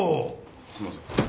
すいません。